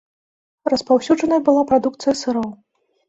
Распаўсюджанай была прадукцыя сыроў.